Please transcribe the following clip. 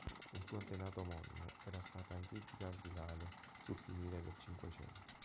Un suo antenato omonimo era stato anch'egli cardinale sul finire del Cinquecento.